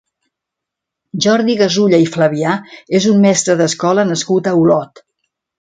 Jordi Gasulla i Flavià és un mestre d'escola nascut a Olot.